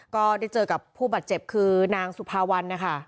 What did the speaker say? ก็ได้เจอกับผู้บาดเจ็บคือนางสุภาวันนะคะ